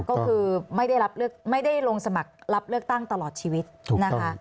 ก็คือไม่ได้ลงสมัครรับเลือกตั้งตลอดชีวิตนะคะ